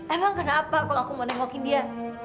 emang kenapa kalau aku mau nengokin dia